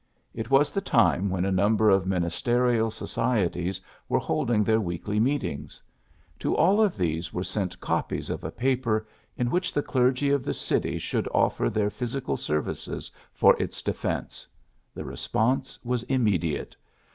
It was the time when a number of ministerial soci eties were holding their weekly meetings. To all of these were sent copies of a paper in which the clergy of the city should offer their physical services for its defence. The response was immedi ate.